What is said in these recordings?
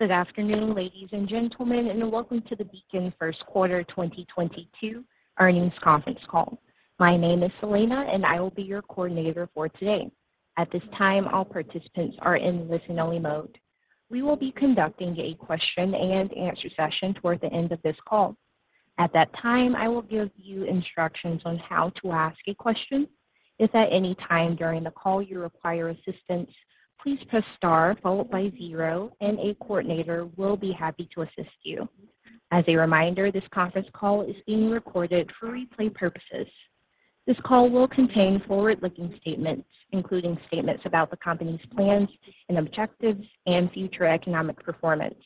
Good afternoon, ladies and gentlemen, and welcome to the Beacon first quarter 2022 earnings conference call. My name is Selina, and I will be your coordinator for today. At this time, all participants are in listen only mode. We will be conducting a question and answer session towards the end of this call. At that time, I will give you instructions on how to ask a question. If at any time during the call you require assistance, please press star followed by zero, and a coordinator will be happy to assist you. As a reminder, this conference call is being recorded for replay purposes. This call will contain forward-looking statements, including statements about the company's plans and objectives and future economic performance.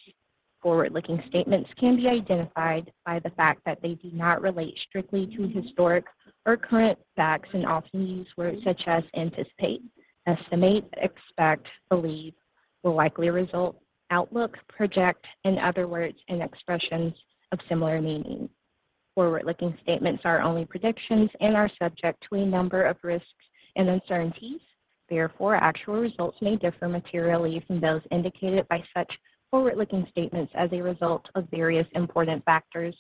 Forward-looking statements can be identified by the fact that they do not relate strictly to historic or current facts and often use words such as anticipate, estimate, expect, believe, will likely result, outlook, project, and other words and expressions of similar meaning. Forward-looking statements are only predictions and are subject to a number of risks and uncertainties. Therefore, actual results may differ materially from those indicated by such forward-looking statements as a result of various important factors,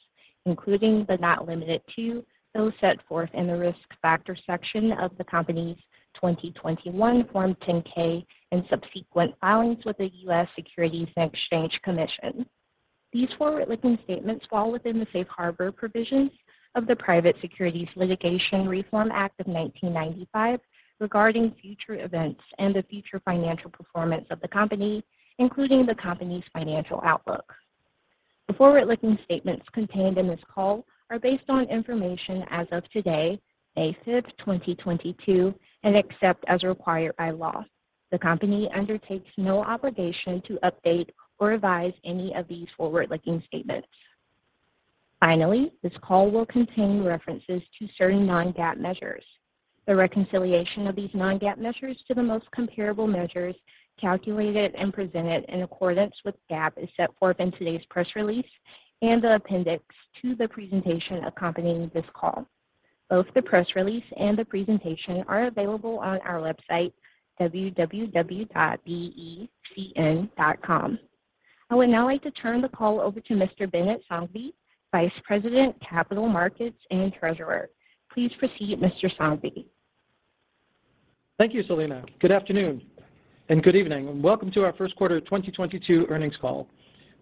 including, but not limited to, those set forth in the Risk Factors section of the company's 2021 Form 10-K and subsequent filings with the U.S. Securities and Exchange Commission. These forward-looking statements fall within the safe harbor provisions of the Private Securities Litigation Reform Act of 1995 regarding future events and the future financial performance of the company, including the company's financial outlook. The forward-looking statements contained in this call are based on information as of today, May 5th, 2022, and except as required by law, the company undertakes no obligation to update or revise any of these forward-looking statements. Finally, this call will contain references to certain non-GAAP measures. The reconciliation of these non-GAAP measures to the most comparable measures calculated and presented in accordance with GAAP is set forth in today's press release and the appendix to the presentation accompanying this call. Both the press release and the presentation are available on our website, www.becn.com. I would now like to turn the call over to Mr. Binit Sanghvi, Vice President, Capital Markets, and Treasurer. Please proceed, Mr. Sanghvi. Thank you, Selina. Good afternoon and good evening, and welcome to our first quarter 2022 earnings call.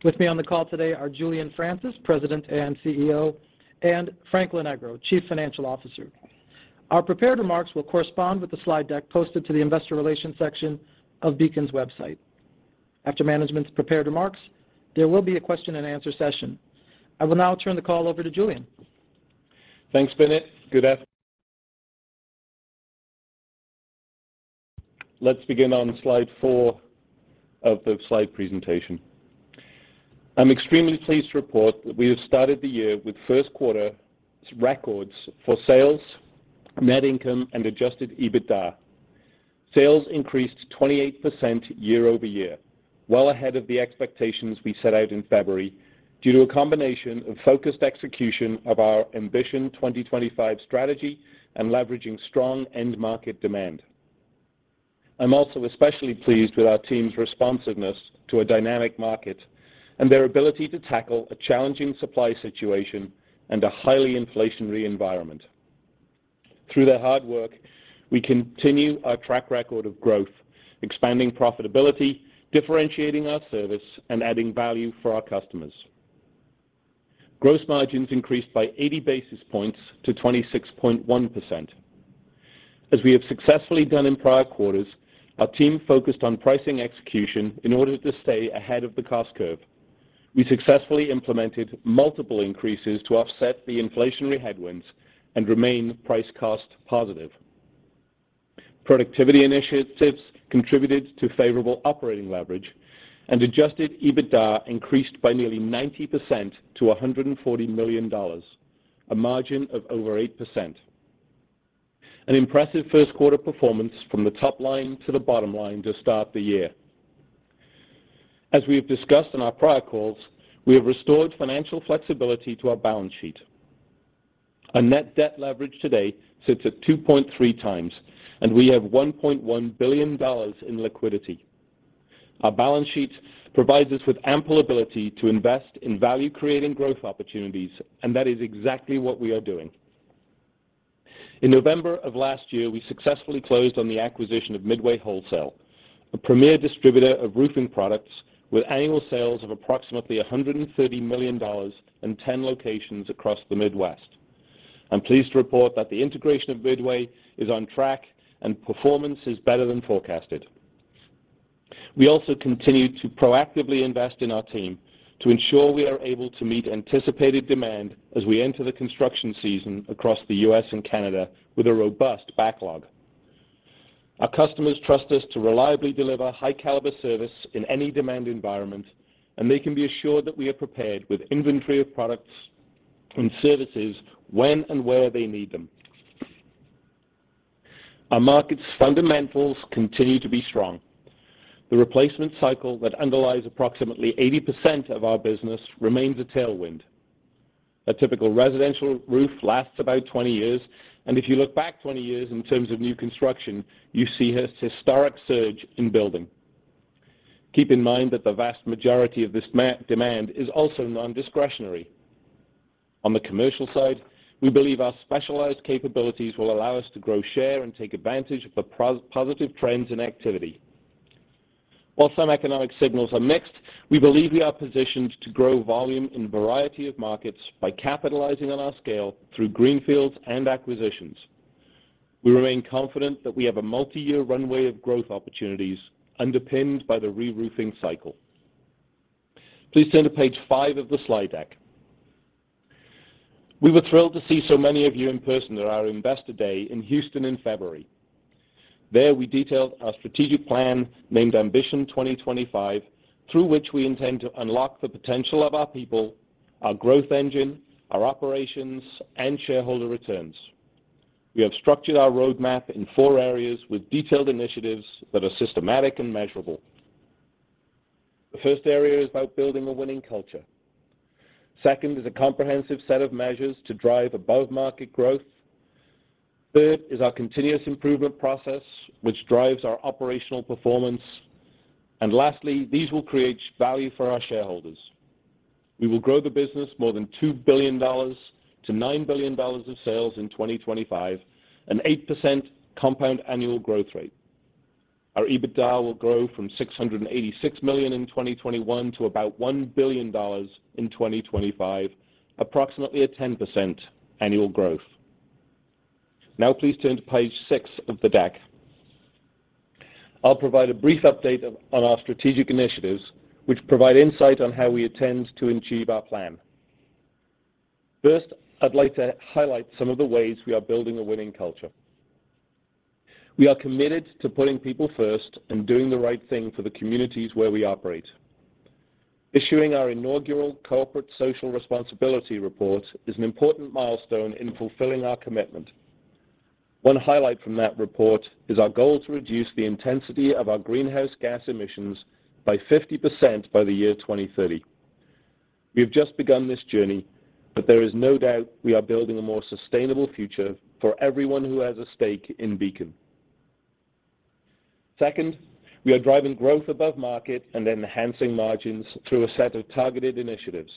With me on the call today are Julian Francis, President and CEO, and Frank Lonegro, Chief Financial Officer. Our prepared remarks will correspond with the slide deck posted to the investor relations section of Beacon's website. After management's prepared remarks, there will be a question and answer session. I will now turn the call over to Julian. Thanks, Binit. Let's begin on slide four of the slide presentation. I'm extremely pleased to report that we have started the year with first quarter records for sales, net income and adjusted EBITDA. Sales increased 28% year-over-year, well ahead of the expectations we set out in February due to a combination of focused execution of our Ambition 2025 strategy and leveraging strong end market demand. I'm also especially pleased with our team's responsiveness to a dynamic market and their ability to tackle a challenging supply situation and a highly inflationary environment. Through their hard work, we continue our track record of growth, expanding profitability, differentiating our service, and adding value for our customers. Gross margins increased by 80 basis points to 26.1%. As we have successfully done in prior quarters, our team focused on pricing execution in order to stay ahead of the cost curve. We successfully implemented multiple increases to offset the inflationary headwinds and remain price cost positive. Productivity initiatives contributed to favorable operating leverage, and adjusted EBITDA increased by nearly 90% to $140 million, a margin of over 8%. An impressive first quarter performance from the top line to the bottom line to start the year. As we have discussed in our prior calls, we have restored financial flexibility to our balance sheet. Our net debt leverage today sits at 2.3x, and we have $1.1 billion in liquidity. Our balance sheet provides us with ample ability to invest in value creating growth opportunities, and that is exactly what we are doing. In November of last year, we successfully closed on the acquisition of Midway Wholesale, a premier distributor of roofing products with annual sales of approximately $130 million in 10 locations across the Midwest. I'm pleased to report that the integration of Midway is on track and performance is better than forecasted. We also continue to proactively invest in our team to ensure we are able to meet anticipated demand as we enter the construction season across the U.S. and Canada with a robust backlog. Our customers trust us to reliably deliver high caliber service in any demand environment, and they can be assured that we are prepared with inventory of products and services when and where they need them. Our market's fundamentals continue to be strong. The replacement cycle that underlies approximately 80% of our business remains a tailwind. A typical residential roof lasts about 20 years, and if you look back 20 years in terms of new construction, you see a historic surge in building. Keep in mind that the vast majority of this demand is also non-discretionary. On the commercial side, we believe our specialized capabilities will allow us to grow share and take advantage of the positive trends in activity. While some economic signals are mixed, we believe we are positioned to grow volume in a variety of markets by capitalizing on our scale through greenfields and acquisitions. We remain confident that we have a multiyear runway of growth opportunities underpinned by the reroofing cycle. Please turn to page five of the slide deck. We were thrilled to see so many of you in person at our Investor Day in Houston in February. There, we detailed our strategic plan named Ambition 2025, through which we intend to unlock the potential of our people, our growth engine, our operations, and shareholder returns. We have structured our roadmap in four areas with detailed initiatives that are systematic and measurable. The first area is about building a winning culture. Second is a comprehensive set of measures to drive above-market growth. Third is our continuous improvement process, which drives our operational performance. Lastly, these will create value for our shareholders. We will grow the business more than $2 billion to $9 billion of sales in 2025, an 8% compound annual growth rate. Our EBITDA will grow from $686 million in 2021 to about $1 billion in 2025, approximately a 10% annual growth. Now please turn to page six of the deck. I'll provide a brief update on our strategic initiatives, which provide insight on how we intend to achieve our plan. First, I'd like to highlight some of the ways we are building a winning culture. We are committed to putting people first and doing the right thing for the communities where we operate. Issuing our inaugural corporate social responsibility report is an important milestone in fulfilling our commitment. One highlight from that report is our goal to reduce the intensity of our greenhouse gas emissions by 50% by the year 2030. We have just begun this journey, but there is no doubt we are building a more sustainable future for everyone who has a stake in Beacon. Second, we are driving growth above market and enhancing margins through a set of targeted initiatives.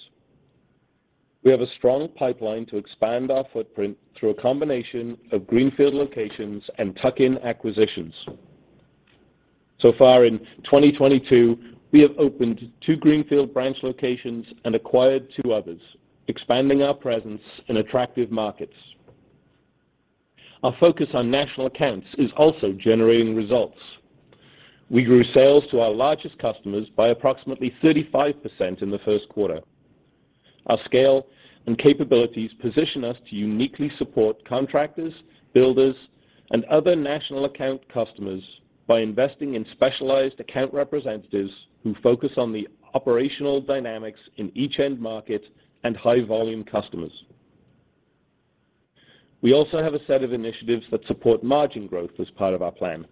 We have a strong pipeline to expand our footprint through a combination of greenfield locations and tuck-in acquisitions. So far in 2022, we have opened two greenfield branch locations and acquired two others, expanding our presence in attractive markets. Our focus on national accounts is also generating results. We grew sales to our largest customers by approximately 35% in the first quarter. Our scale and capabilities position us to uniquely support contractors, builders, and other national account customers by investing in specialized account representatives who focus on the operational dynamics in each end market and high-volume customers. We also have a set of initiatives that support margin growth as part of our plan.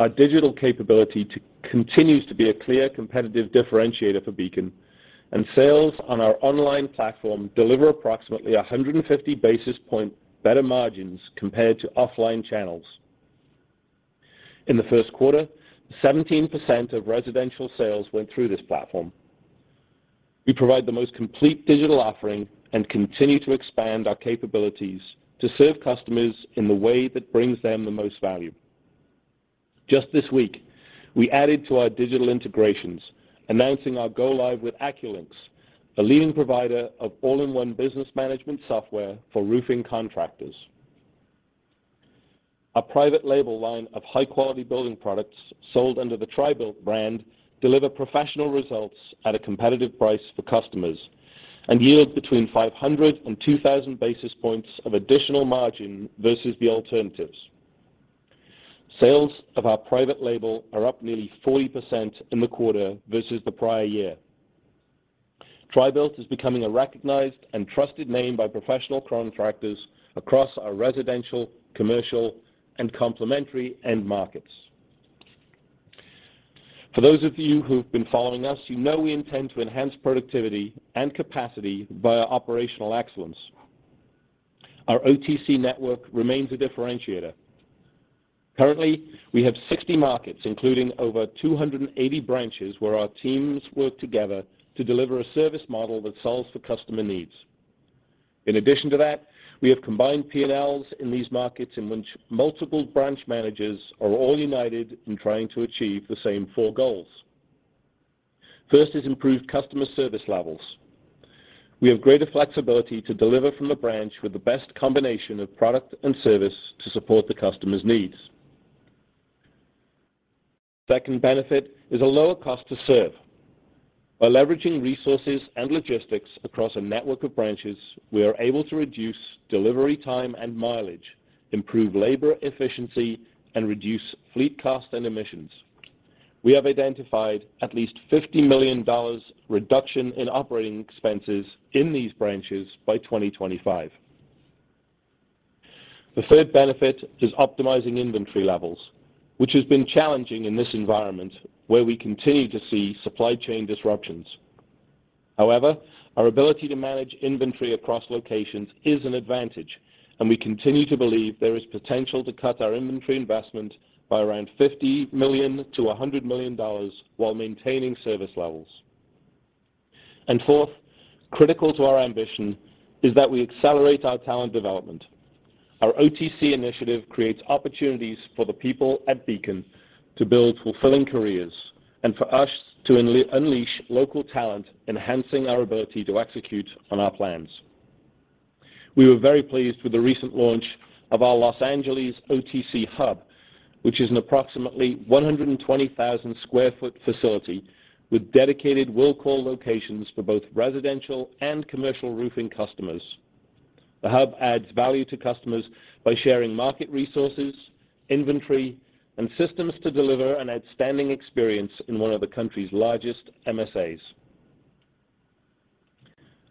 Our digital capability continues to be a clear competitive differentiator for Beacon, and sales on our online platform deliver approximately 150 basis points better margins compared to offline channels. In the first quarter, 17% of residential sales went through this platform. We provide the most complete digital offering and continue to expand our capabilities to serve customers in the way that brings them the most value. Just this week, we added to our digital integrations, announcing our go live with AccuLynx, a leading provider of all-in-one business management software for roofing contractors. Our private label line of high-quality building products sold under the TRI-BUILT brand deliver professional results at a competitive price for customers and yield between 500-2,000 basis points of additional margin versus the alternatives. Sales of our private label are up nearly 40% in the quarter versus the prior year. TRI-BUILT is becoming a recognized and trusted name by professional contractors across our residential, commercial, and complementary end markets. For those of you who have been following us, you know we intend to enhance productivity and capacity via operational excellence. Our OTC network remains a differentiator. Currently, we have 60 markets, including over 280 branches, where our teams work together to deliver a service model that solves for customer needs. In addition to that, we have combined P&L in these markets in which multiple branch managers are all united in trying to achieve the same four goals. First is improved customer service levels. We have greater flexibility to deliver from the branch with the best combination of product and service to support the customer's needs. Second benefit is a lower cost to serve. By leveraging resources and logistics across a network of branches, we are able to reduce delivery time and mileage, improve labor efficiency, and reduce fleet cost and emissions. We have identified at least $50 million reduction in operating expenses in these branches by 2025. The third benefit is optimizing inventory levels, which has been challenging in this environment where we continue to see supply chain disruptions. However, our ability to manage inventory across locations is an advantage, and we continue to believe there is potential to cut our inventory investment by around $50 million-$100 million while maintaining service levels. Fourth, critical to our ambition is that we accelerate our talent development. Our OTC initiative creates opportunities for the people at Beacon to build fulfilling careers and for us to unleash local talent, enhancing our ability to execute on our plans. We were very pleased with the recent launch of our Los Angeles OTC hub, which is an approximately 120,000 sq ft facility with dedicated will call locations for both residential and commercial roofing customers. The hub adds value to customers by sharing market resources, inventory and systems to deliver an outstanding experience in one of the country's largest MSA.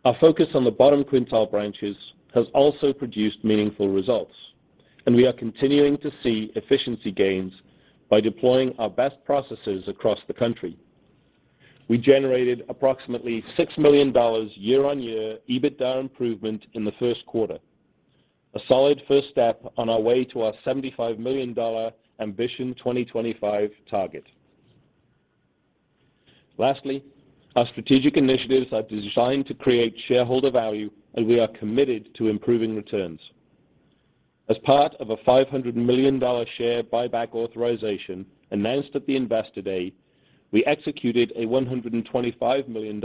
Our focus on the bottom quintile branches has also produced meaningful results, and we are continuing to see efficiency gains by deploying our best processes across the country. We generated approximately $6 million year-on-year EBITDA improvement in the first quarter, a solid first step on our way to our $75 million Ambition 2025 target. Lastly, our strategic initiatives are designed to create shareholder value, and we are committed to improving returns. As part of a $500 million share buyback authorization announced at the Investor Day, we executed a $125 million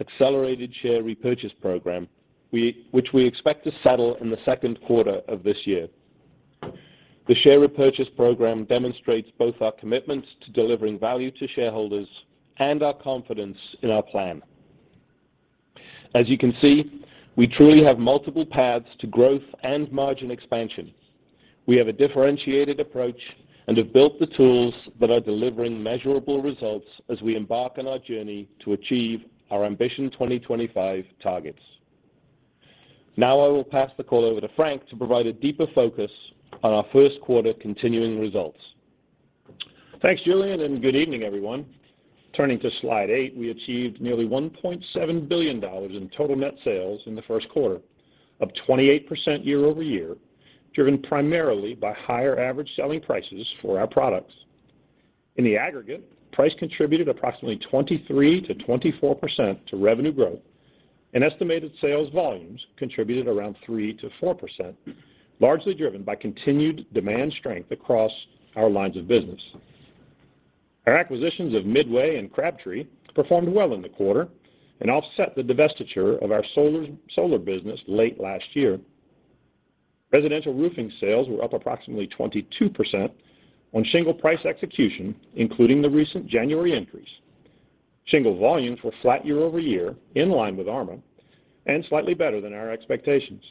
accelerated share repurchase program, which we expect to settle in the second quarter of this year. The share repurchase program demonstrates both our commitment to delivering value to shareholders and our confidence in our plan. As you can see, we truly have multiple paths to growth and margin expansion. We have a differentiated approach and have built the tools that are delivering measurable results as we embark on our journey to achieve our Ambition 2025 targets. Now, I will pass the call over to Frank to provide a deeper focus on our first quarter continuing results. Thanks, Julian, and good evening, everyone. Turning to slide eight, we achieved nearly $1.7 billion in total net sales in the first quarter of 28% year-over-year, driven primarily by higher average selling prices for our products. In the aggregate, price contributed approximately 23%-24% to revenue growth, and estimated sales volumes contributed around 3%-4%, largely driven by continued demand strength across our lines of business. Our acquisitions of Midway and Crabtree performed well in the quarter and offset the divestiture of our solar business late last year. Residential roofing sales were up approximately 22% on shingle price execution, including the recent January increase. Shingle volumes were flat year-over-year, in line with ARMA and slightly better than our expectations.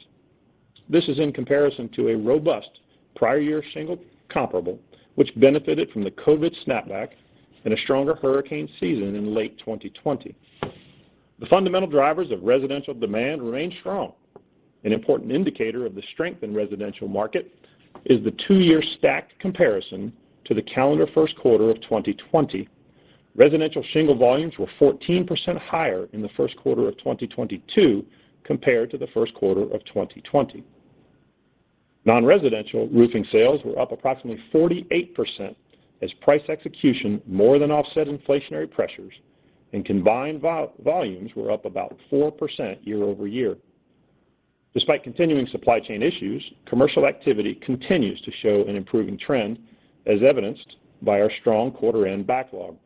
This is in comparison to a robust prior year shingle comparable, which benefited from the COVID snapback and a stronger hurricane season in late 2020. The fundamental drivers of residential demand remain strong. An important indicator of the strength in residential market is the two-year stacked comparison to the calendar first quarter of 2020. Residential shingle volumes were 14% higher in the first quarter of 2022 compared to the first quarter of 2020. Non-residential roofing sales were up approximately 48% as price execution more than offset inflationary pressures and combined volumes were up about 4% year-over-year. Despite continuing supply chain issues, commercial activity continues to show an improving trend as evidenced by our strong quarter end backlog.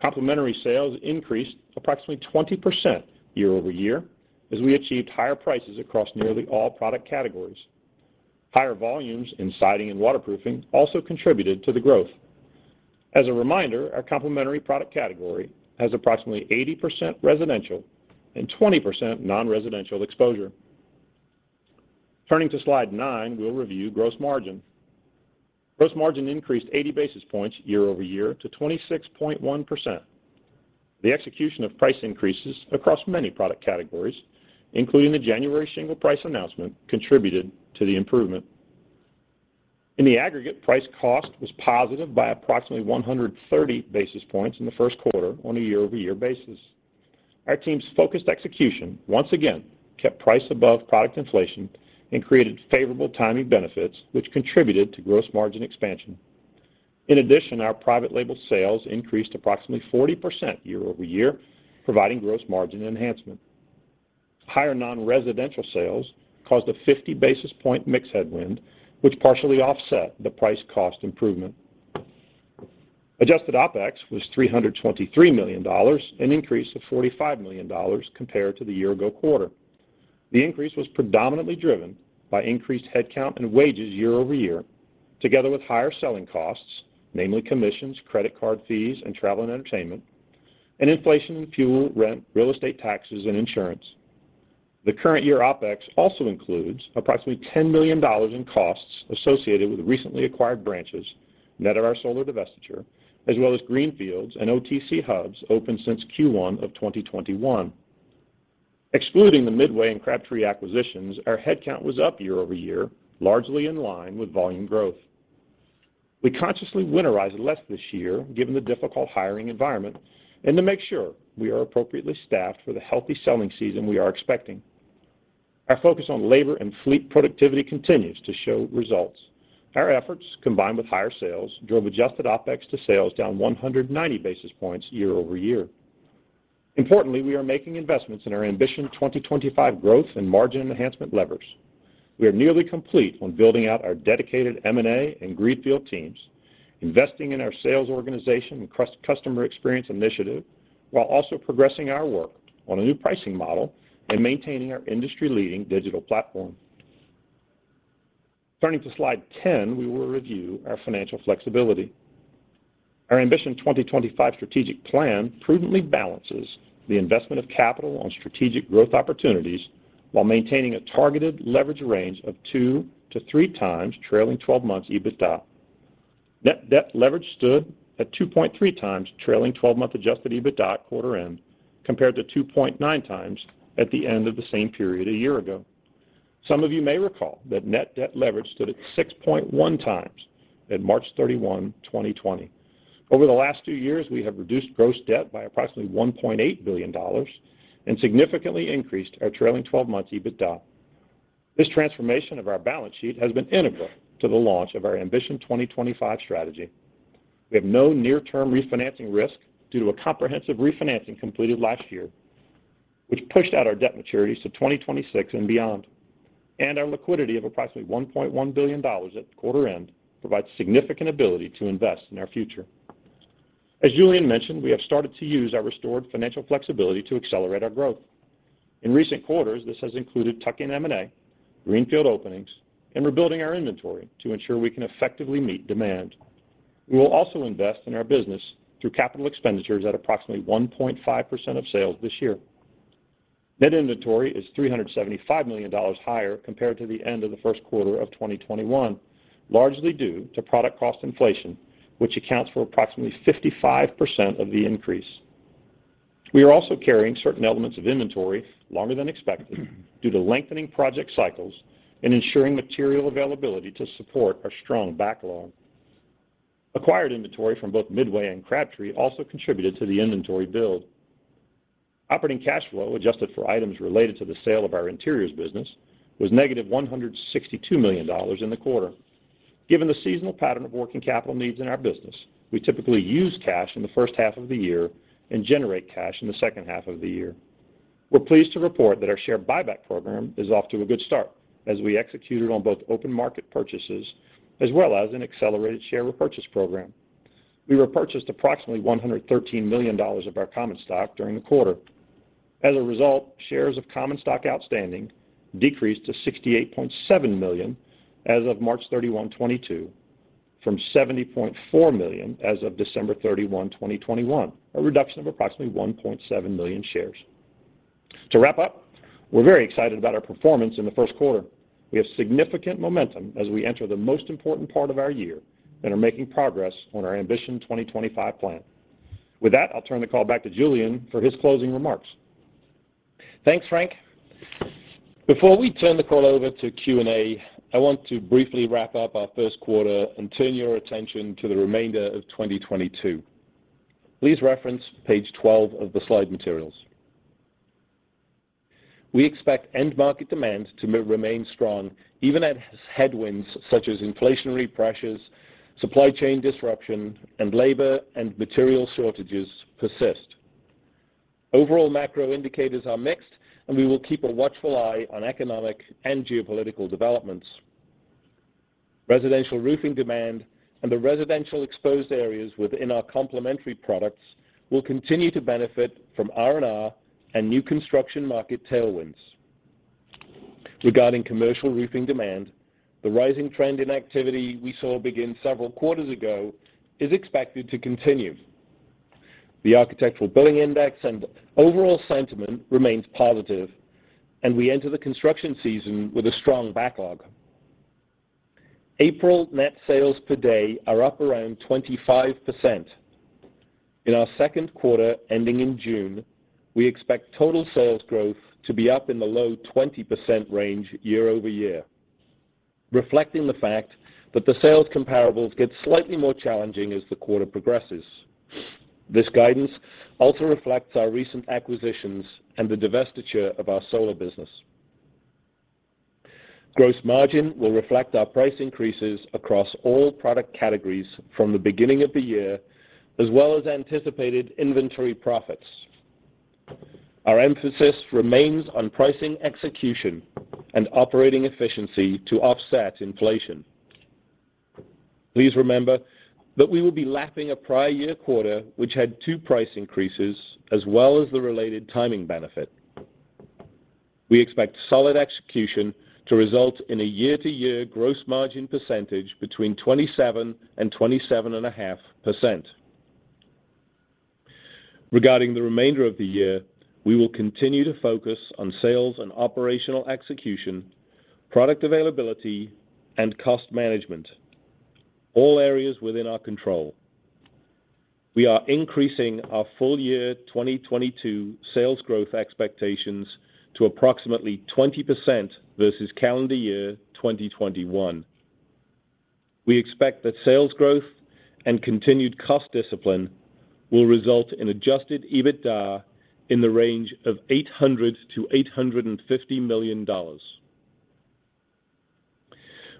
Complementary sales increased approximately 20% year-over-year as we achieved higher prices across nearly all product categories. Higher volumes in siding and waterproofing also contributed to the growth. As a reminder, our complementary product category has approximately 80% residential and 20% non-residential exposure. Turning to slide nine, we'll review gross margin. Gross margin increased 80 basis points year-over-year to 26.1%. The execution of price increases across many product categories, including the January shingle price announcement, contributed to the improvement. In the aggregate, price cost was positive by approximately 130 basis points in the first quarter on a year-over-year basis. Our team's focused execution once again kept price above product inflation and created favorable timing benefits, which contributed to gross margin expansion. In addition, our private label sales increased approximately 40% year-over-year, providing gross margin enhancement. Higher non-residential sales caused a 50 basis point mix headwind, which partially offset the price cost improvement. Adjusted OpEx was $323 million, an increase of $45 million compared to the year-ago quarter. The increase was predominantly driven by increased headcount and wages year-over-year, together with higher selling costs, namely commissions, credit card fees, and travel and entertainment, and inflation in fuel, rent, real estate taxes, and insurance. The current year OpEx also includes approximately $10 million in costs associated with recently acquired branches net of our solar divestiture, as well as greenfields and OTC hubs opened since Q1 of 2021. Excluding the Midway and Crabtree acquisitions, our headcount was up year-over-year, largely in line with volume growth. We consciously winterized less this year, given the difficult hiring environment, and to make sure we are appropriately staffed for the healthy selling season we are expecting. Our focus on labor and fleet productivity continues to show results. Our efforts, combined with higher sales, drove adjusted OpEx to sales down 190 basis points year-over-year. Importantly, we are making investments in our Ambition 2025 growth and margin enhancement levers. We are nearly complete on building out our dedicated M&A and greenfield teams, investing in our sales organization and cross-customer experience initiative, while also progressing our work on a new pricing model and maintaining our industry-leading digital platform. Turning to slide 10, we will review our financial flexibility. Our Ambition 2025 strategic plan prudently balances the investment of capital on strategic growth opportunities while maintaining a targeted leverage range of 2x-3x trailing 12-month EBITDA. Net debt leverage stood at 2.3x trailing 12-month adjusted EBITDA quarter-end compared to 2.9x at the end of the same period a year ago. Some of you may recall that net debt leverage stood at 6.1x at March 31, 2020. Over the last two years, we have reduced gross debt by approximately $1.8 billion and significantly increased our trailing 12 months EBITDA. This transformation of our balance sheet has been integral to the launch of our Ambition 2025 strategy. We have no near-term refinancing risk due to a comprehensive refinancing completed last year, which pushed out our debt maturities to 2026 and beyond. Our liquidity of approximately $1.1 billion at quarter end provides significant ability to invest in our future. As Julian mentioned, we have started to use our restored financial flexibility to accelerate our growth. In recent quarters, this has included tuck-in M&A, greenfield openings, and rebuilding our inventory to ensure we can effectively meet demand. We will also invest in our business through capital expenditures at approximately 1.5% of sales this year. Net inventory is $375 million higher compared to the end of the first quarter of 2021, largely due to product cost inflation, which accounts for approximately 55% of the increase. We are also carrying certain elements of inventory longer than expected due to lengthening project cycles and ensuring material availability to support our strong backlog. Acquired inventory from both Midway and Crabtree also contributed to the inventory build. Operating cash flow, adjusted for items related to the sale of our interiors business, was -$162 million in the quarter. Given the seasonal pattern of working capital needs in our business, we typically use cash in the first half of the year and generate cash in the second half of the year. We're pleased to report that our share buyback program is off to a good start as we executed on both open market purchases as well as an accelerated share repurchase program. We repurchased approximately $113 million of our common stock during the quarter. As a result, shares of common stock outstanding decreased to 68.7 million as of March 31, 2022 from 70.4 million as of December 31, 2021, a reduction of approximately 1.7 million shares. To wrap up, we're very excited about our performance in the first quarter. We have significant momentum as we enter the most important part of our year and are making progress on our Ambition 2025 plan. With that, I'll turn the call back to Julian for his closing remarks. Thanks, Frank. Before we turn the call over to Q&A, I want to briefly wrap up our first quarter and turn your attention to the remainder of 2022. Please reference page 12 of the slide materials. We expect end market demand to remain strong even as headwinds such as inflationary pressures, supply chain disruption, and labor and material shortages persist. Overall macro indicators are mixed, and we will keep a watchful eye on economic and geopolitical developments. Residential roofing demand and the residential exposed areas within our complementary products will continue to benefit from R&R and new construction market tailwinds. Regarding commercial roofing demand, the rising trend in activity we saw begin several quarters ago is expected to continue. The Architectural Billings Index and overall sentiment remains positive, and we enter the construction season with a strong backlog. April net sales per day are up around 25%. In our second quarter ending in June, we expect total sales growth to be up in the low 20% range year-over-year, reflecting the fact that the sales comparables get slightly more challenging as the quarter progresses. This guidance also reflects our recent acquisitions and the divestiture of our solar business. Gross margin will reflect our price increases across all product categories from the beginning of the year as well as anticipated inventory profits. Our emphasis remains on pricing execution and operating efficiency to offset inflation. Please remember that we will be lapping a prior year quarter, which had two price increases as well as the related timing benefit. We expect solid execution to result in a year-to-year gross margin percentage between 27% and 27.5%. Regarding the remainder of the year, we will continue to focus on sales and operational execution, product availability, and cost management, all areas within our control. We are increasing our full year 2022 sales growth expectations to approximately 20% versus calendar year 2021. We expect that sales growth and continued cost discipline will result in adjusted EBITDA in the range of $800 million-$850 million.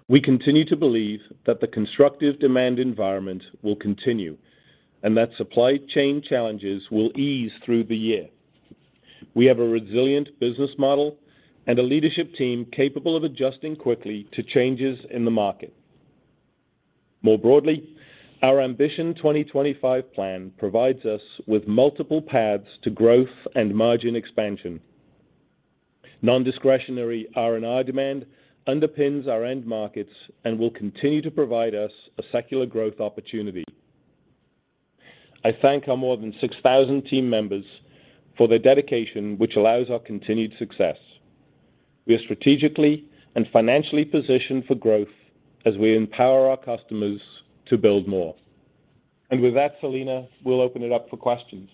We continue to believe that the constructive demand environment will continue and that supply chain challenges will ease through the year. We have a resilient business model and a leadership team capable of adjusting quickly to changes in the market. More broadly, our Ambition 2025 plan provides us with multiple paths to growth and margin expansion. Nondiscretionary R&R demand underpins our end markets and will continue to provide us a secular growth opportunity. I thank our more than 6,000 team members for their dedication, which allows our continued success. We are strategically and financially positioned for growth as we empower our customers to build more. With that, Selina, we'll open it up for questions.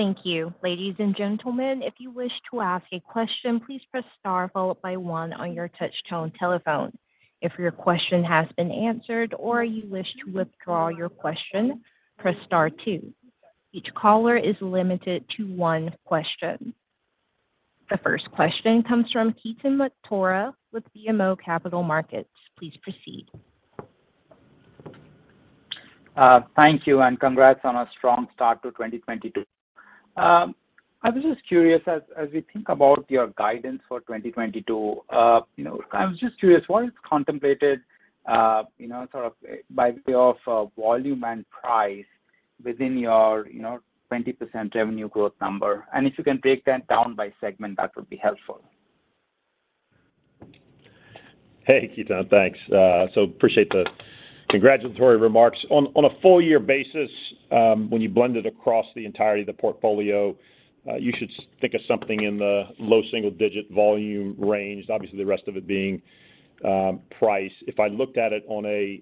Thank you. Ladies and gentlemen, if you wish to ask a question, please press star followed by one on your touchtone telephone. If your question has been answered or you wish to withdraw your question, press star two. Each caller is limited to one question. The first question comes from Ketan Mamtora with BMO Capital Markets. Please proceed. Thank you, and congrats on a strong start to 2022. I was just curious, as we think about your guidance for 2022, you know, I was just curious, what is contemplated, you know, sort of by way of, volume and price within your, you know, 20% revenue growth number? If you can break that down by segment, that would be helpful. Hey, Ketan, thanks. Appreciate the congratulatory remarks. On a full year basis, when you blend it across the entirety of the portfolio, you should think of something in the low single digit volume range. Obviously, the rest of it being price. If I looked at it on a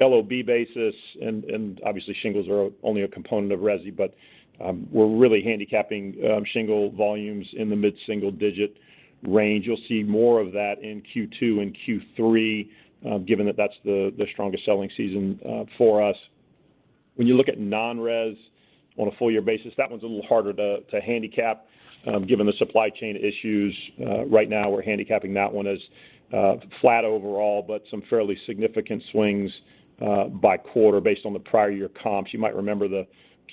LOB basis, and obviously shingles are only a component of resi, but we're really handicapping shingle volumes in the mid-single digit range. You'll see more of that in Q2 and Q3, given that that's the strongest selling season for us. When you look at non-res on a full year basis, that one's a little harder to handicap, given the supply chain issues. Right now, we're handicapping that one as flat overall, but some fairly significant swings by quarter based on the prior year comps. You might remember the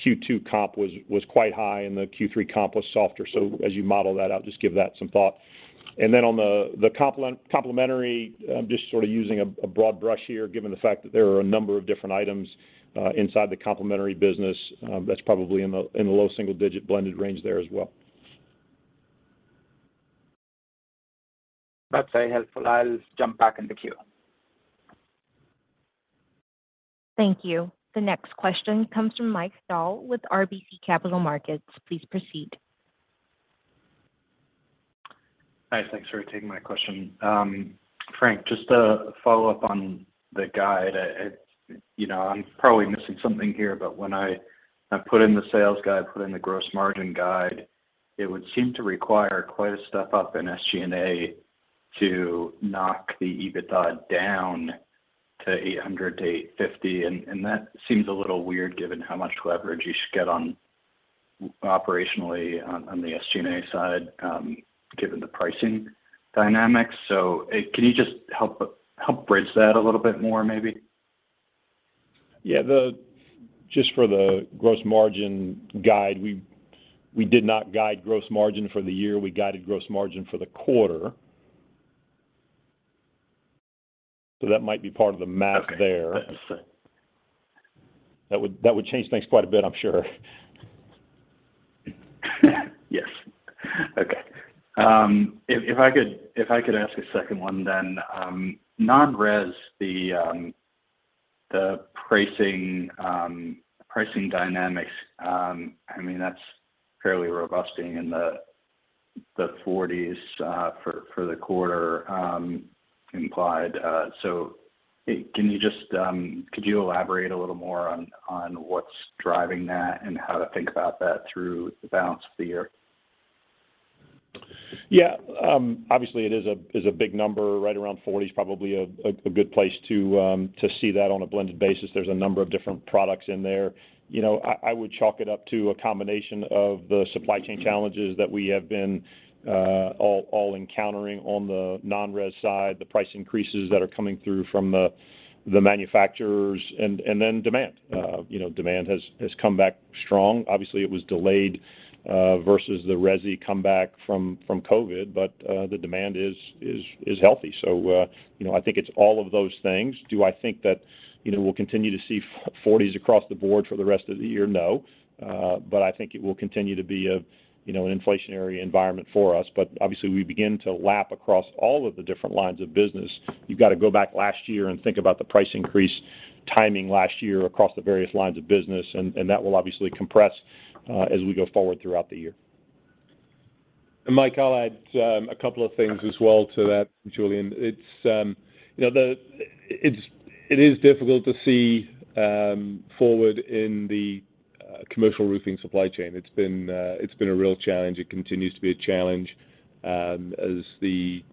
Q2 comp was quite high and the Q3 comp was softer. As you model that out, just give that some thought. Then on the complementary, I'm just sort of using a broad brush here given the fact that there are a number of different items inside the complementary business, that's probably in the low single digit blended range there as well. That's very helpful. I'll jump back in the queue. Thank you. The next question comes from Mike Dahl with RBC Capital Markets. Please proceed. Hi, thanks for taking my question. Frank, just to follow up on the guide. You know, I'm probably missing something here, but when I put in the sales guide, put in the gross margin guide, it would seem to require quite a step up in SG&A to knock the EBITDA down to $800 million-$850 million. And that seems a little weird given how much leverage you should get operationally on the SG&A side, given the pricing dynamics. Can you just help bridge that a little bit more maybe? Yeah. Just for the gross margin guide, we did not guide gross margin for the year. We guided gross margin for the quarter. So that might be part of the math there. Okay. That's it. That would change things quite a bit, I'm sure. Yes. Okay. If I could ask a second one then. Non-res, the pricing dynamics, I mean, that's fairly robust being in the 40s% for the quarter, implied. So, could you elaborate a little more on what's driving that and how to think about that through the balance of the year? Yeah. Obviously, it is a big number. Right around 40% is probably a good place to see that on a blended basis. There's a number of different products in there. You know, I would chalk it up to a combination of the supply chain challenges that we have been all encountering on the non-res side, the price increases that are coming through from the manufacturers, and then demand. You know, demand has come back strong. Obviously, it was delayed versus the resi comeback from COVID, but the demand is healthy. You know, I think it's all of those things. Do I think that, you know, we'll continue to see 40s% across the board for the rest of the year? No. I think it will continue to be a, you know, an inflationary environment for us. Obviously, we begin to lap across all of the different lines of business. You've got to go back last year and think about the price increase timing last year across the various lines of business. That will obviously compress as we go forward throughout the year. Mike, I'll add a couple of things as well to that, Julian. It's you know, it's it is difficult to see forward in the commercial roofing supply chain. It's been a real challenge. It continues to be a challenge as the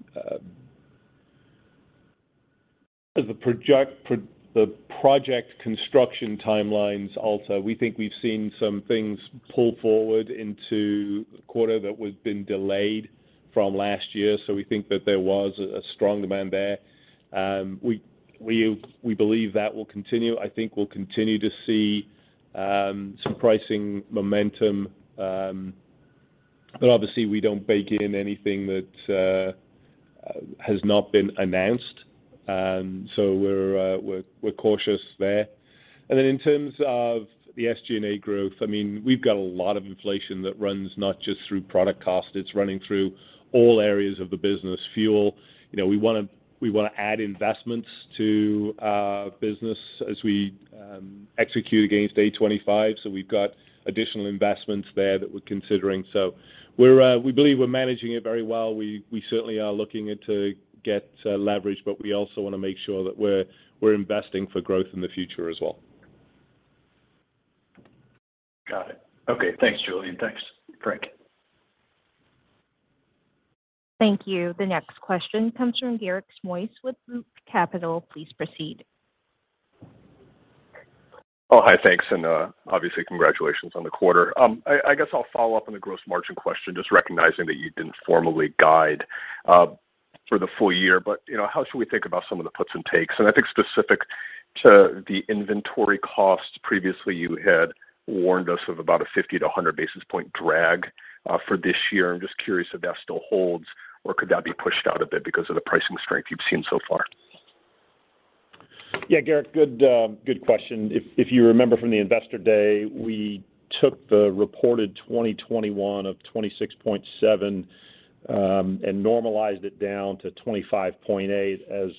project construction timelines alter. We think we've seen some things pull forward into the quarter that has been delayed from last year. We think that there was a strong demand there. We believe that will continue. I think we'll continue to see some pricing momentum. Obviously, we don't bake in anything that has not been announced. We're cautious there. In terms of the SG&A growth, I mean, we've got a lot of inflation that runs not just through product cost, it's running through all areas of the business, fuel. You know, we wanna add investments to our business as we execute against Ambition 2025. We've got additional investments there that we're considering. We believe we're managing it very well. We certainly are looking to get leverage, but we also wanna make sure that we're investing for growth in the future as well. Got it. Okay. Thanks, Julian. Thanks, Frank. Thank you. The next question comes from Garik Shmois with Loop Capital. Please proceed. Oh, hi. Thanks. Obviously, congratulations on the quarter. I guess I'll follow up on the gross margin question, just recognizing that you didn't formally guide for the full year. You know, how should we think about some of the puts and takes? I think specific to the inventory costs, previously, you had warned us of about a 50-100 basis points drag for this year. I'm just curious if that still holds, or could that be pushed out a bit because of the pricing strength you've seen so far? Yeah, Garik, good question. If you remember from the Investor Day, we took the reported 2021 of 26.7%, and normalized it down to 25.8% as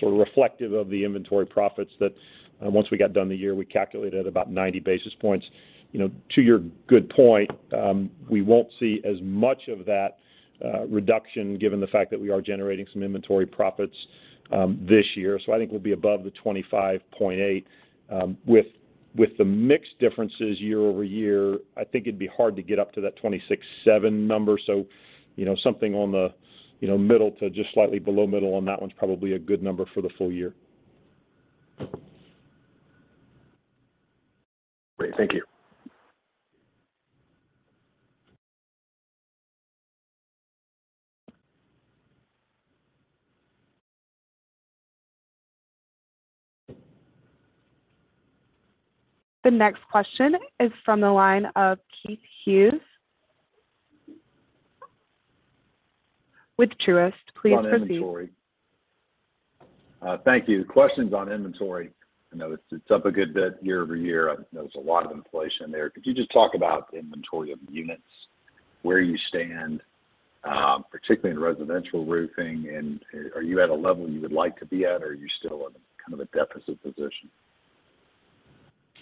sort of reflective of the inventory profits that once we got done the year, we calculated at about 90 basis points. You know, to your good point, we won't see as much of that reduction given the fact that we are generating some inventory profits this year. I think we'll be above the 25.8%. With the mix differences year-over-year, I think it'd be hard to get up to that 26.7% number. You know, something on the middle to just slightly below middle on that one's probably a good number for the full year. Great. Thank you. The next question is from the line of Keith Hughes with Truist. Please proceed. On inventory. Thank you. Questions on inventory. I know it's up a good bit year-over-year. I know there's a lot of inflation there. Could you just talk about inventory of units, where you stand, particularly in residential roofing? Are you at a level you would like to be at, or are you still in kind of a deficit position?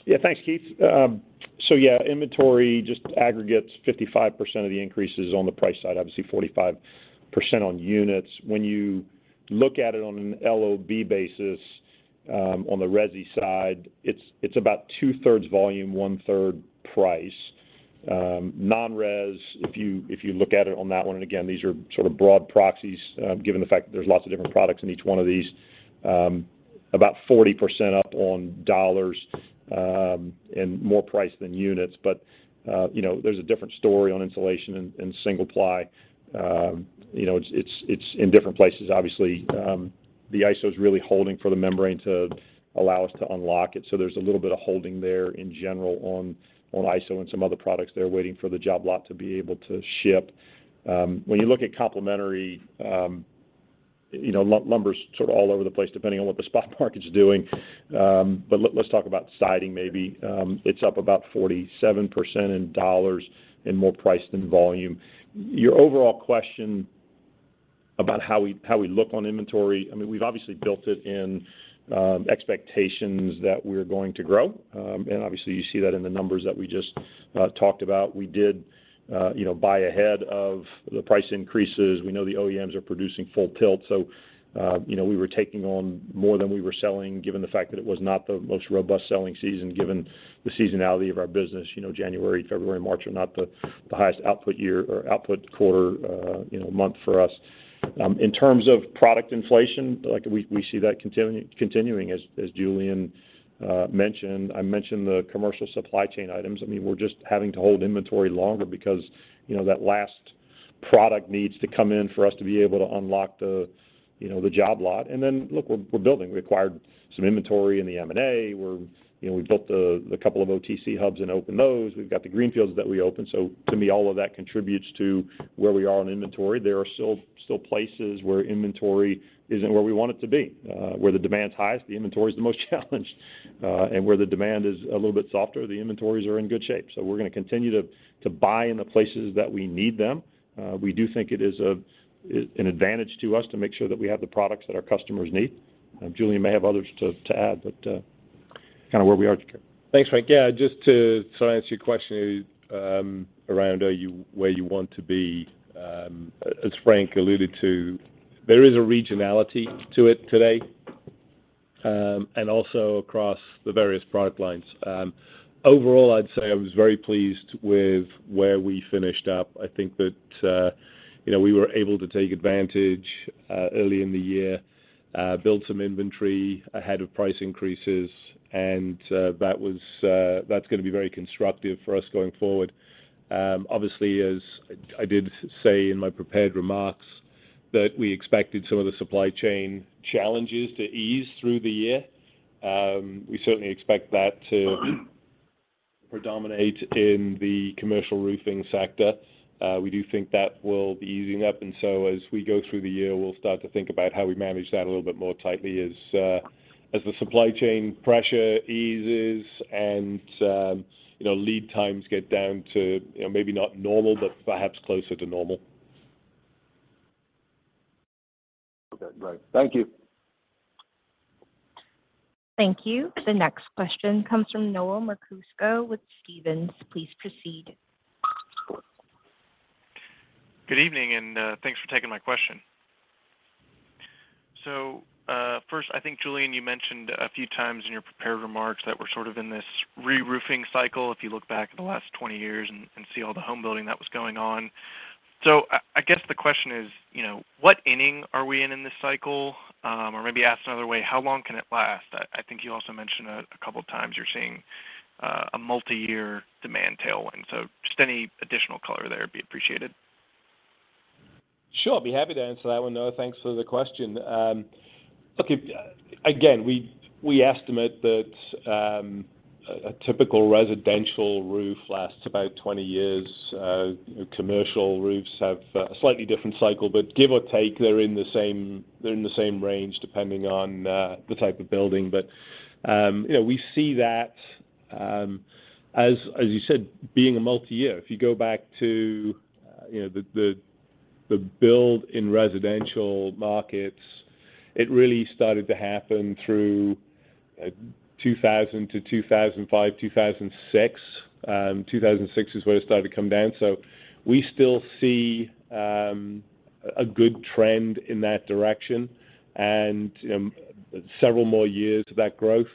Yeah. Thanks, Keith. So yeah, inventory just aggregates 55% of the increases on the price side, obviously 45% on units. When you look at it on an LOB basis, on the resi side, it's about 2/3 volume, one-third price. Non-res, if you look at it on that one, and again, these are sort of broad proxies, given the fact that there's lots of different products in each one of these, about 40% up on dollars, and more price than units. But you know, there's a different story on insulation and single-ply. You know, it's in different places. Obviously, the ISO is really holding for the membrane to allow us to unlock it. There's a little bit of holding there in general on ISO and some other products there waiting for the job lot to be able to ship. When you look at complementary, you know, lumbers sort of all over the place, depending on what the spot market is doing. Let's talk about siding maybe. It's up about 47% in dollars and more price than volume. Your overall question about how we look on inventory, I mean, we've obviously built it in expectations that we're going to grow. Obviously, you see that in the numbers that we just talked about. We did, you know, buy ahead of the price increases. We know the OEMs are producing full tilt. You know, we were taking on more than we were selling, given the fact that it was not the most robust selling season, given the seasonality of our business. You know, January, February, March are not the highest output year or output quarter, you know, month for us. In terms of product inflation, like we see that continuing as Julian mentioned. I mentioned the commercial supply chain items. I mean, we're just having to hold inventory longer because, you know, that last product needs to come in for us to be able to unlock the, you know, the job lot. Then look, we're building. We acquired some inventory in the M&A. We, you know, built the couple of OTC hubs and opened those. We've got the greenfields that we opened. To me, all of that contributes to where we are on inventory. There are still places where inventory isn't where we want it to be. Where the demand's highest, the inventory is the most challenged. And where the demand is a little bit softer, the inventories are in good shape. We're gonna continue to buy in the places that we need them. We do think it is an advantage to us to make sure that we have the products that our customers need. Julian may have others to add, but. Kind of where we are, Julian. Thanks, Frank. Yeah, just to try and answer your question, around where you want to be, as Frank alluded to, there is a regionality to it today, and also across the various product lines. Overall, I'd say I was very pleased with where we finished up. I think that, you know, we were able to take advantage early in the year, build some inventory ahead of price increases, and that's gonna be very constructive for us going forward. Obviously, as I did say in my prepared remarks that we expected some of the supply chain challenges to ease through the year. We certainly expect that to predominate in the commercial roofing sector. We do think that will be easing up, and so as we go through the year, we'll start to think about how we manage that a little bit more tightly as the supply chain pressure eases and, you know, lead times get down to, you know, maybe not normal, but perhaps closer to normal. Okay. Great. Thank you. Thank you. The next question comes from Noah Merkousko with Stephens. Please proceed. Good evening, and thanks for taking my question. First, I think, Julian, you mentioned a few times in your prepared remarks that we're sort of in this reroofing cycle, if you look back at the last 20 years and see all the home building that was going on. I guess the question is, you know, what inning are we in in this cycle? Or maybe asked another way, how long can it last? I think you also mentioned a couple of times you're seeing a multiyear demand tailwind. Just any additional color there would be appreciated. Sure. Be happy to answer that one, Noah. Thanks for the question. Look, again, we estimate that a typical residential roof lasts about 20 years. Commercial roofs have a slightly different cycle, but give or take, they're in the same range, depending on the type of building. You know, we see that, as you said, being a multiyear. If you go back to, you know, the boom in residential markets, it really started to happen through 2000-2005, 2006. 2006 is where it started to come down. We still see a good trend in that direction and several more years of that growth.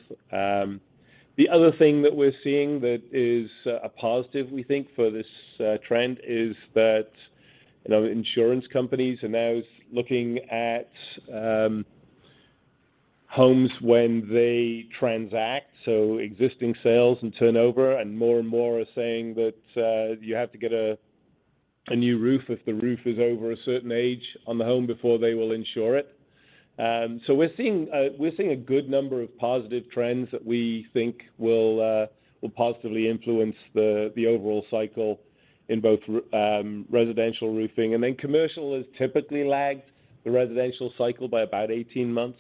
The other thing that we're seeing that is a positive, we think, for this trend is that, you know, insurance companies are now looking at homes when they transact, so existing sales and turnover, and more and more are saying that, you know, you have to get a new roof if the roof is over a certain age on the home before they will insure it. We're seeing a good number of positive trends that we think will positively influence the overall cycle in both residential roofing. Commercial has typically lagged the residential cycle by about 18 months.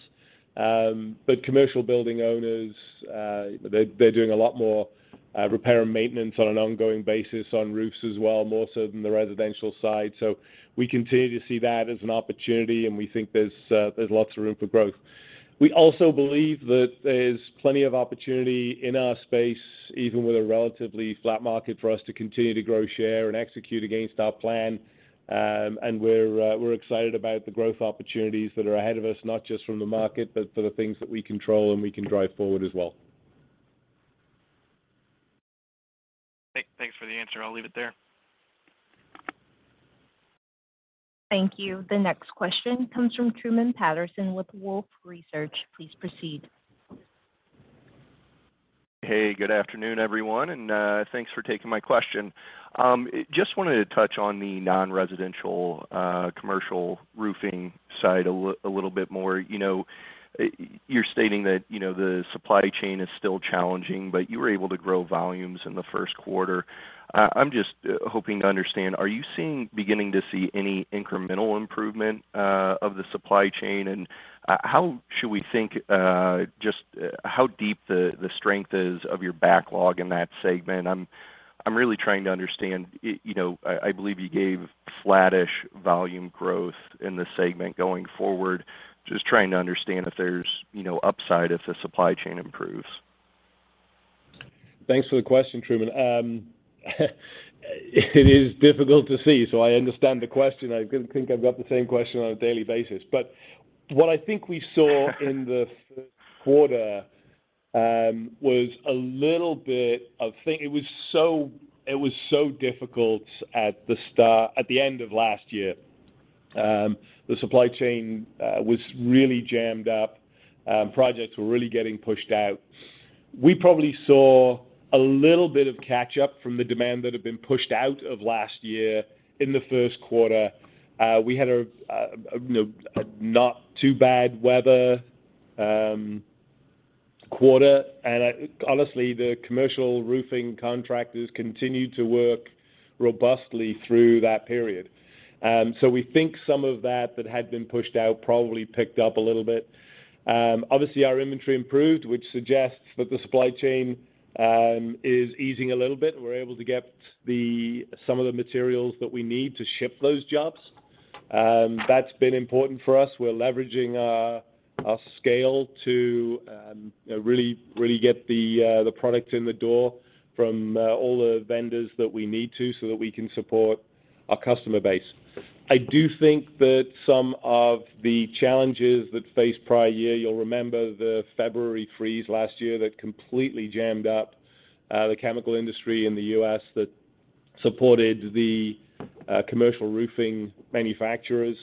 Commercial building owners, they're doing a lot more repair and maintenance on an ongoing basis on roofs as well, more so than the residential side. We continue to see that as an opportunity, and we think there's lots of room for growth. We also believe that there's plenty of opportunity in our space, even with a relatively flat market for us to continue to grow share and execute against our plan. We're excited about the growth opportunities that are ahead of us, not just from the market, but for the things that we control and we can drive forward as well. Okay. Thanks for the answer. I'll leave it there. Thank you. The next question comes from Truman Patterson with Wolfe Research. Please proceed. Hey, good afternoon, everyone, and thanks for taking my question. Just wanted to touch on the non-residential commercial roofing side a little bit more. You know, you're stating that, you know, the supply chain is still challenging, but you were able to grow volumes in the first quarter. I'm just hoping to understand, are you beginning to see any incremental improvement of the supply chain? And how should we think just how deep the strength is of your backlog in that segment? I'm really trying to understand. You know, I believe you gave flattish volume growth in this segment going forward. Just trying to understand if there's, you know, upside if the supply chain improves. Thanks for the question, Truman. It is difficult to see, so I understand the question. I think I've got the same question on a daily basis. What I think we saw in the quarter was a little bit. It was so difficult at the end of last year. The supply chain was really jammed up. Projects were really getting pushed out. We probably saw a little bit of catch-up from the demand that had been pushed out of last year in the first quarter. We had, you know, a not too bad weather quarter. Honestly, the commercial roofing contractors continued to work robustly through that period. So we think some of that had been pushed out probably picked up a little bit. Obviously, our inventory improved, which suggests that the supply chain is easing a little bit. We're able to get some of the materials that we need to ship those jobs. That's been important for us. We're leveraging our scale to really get the product in the door from all the vendors that we need to so that we can support our customer base. I do think that some of the challenges that we faced prior year, you'll remember the February freeze last year that completely jammed up the chemical industry in the U.S. that supported the commercial roofing manufacturers.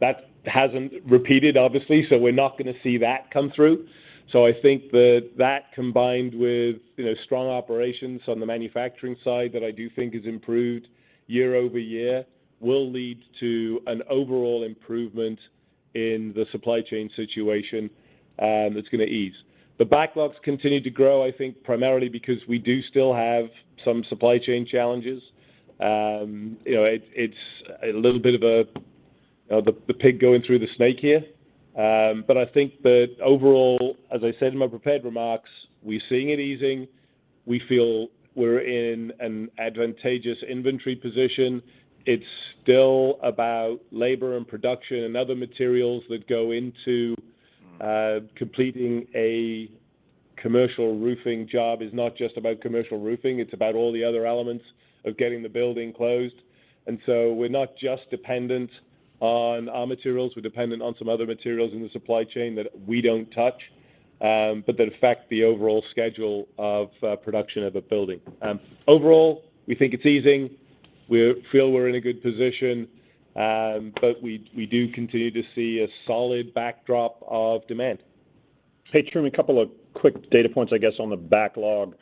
That hasn't repeated obviously, so we're not gonna see that come through. I think that combined with, you know, strong operations on the manufacturing side that I do think has improved year over year, will lead to an overall improvement in the supply chain situation, that's gonna ease. The backlogs continue to grow, I think primarily because we do still have some supply chain challenges. You know, it's a little bit of the pig going through the snake here. But I think that overall, as I said in my prepared remarks, we're seeing it easing. We feel we're in an advantageous inventory position. It's still about labor and production and other materials that go into- Mm. Completing a commercial roofing job is not just about commercial roofing, it's about all the other elements of getting the building closed. We're not just dependent on our materials, we're dependent on some other materials in the supply chain that we don't touch, but that affect the overall schedule of production of a building. Overall, we think it's easing. We feel we're in a good position, but we do continue to see a solid backdrop of demand. Truman, from a couple of quick data points, I guess, on the backlog.